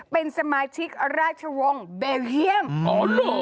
เป็นสมาชิกราชวงศ์เบลเฮียมอ๋อเหรอ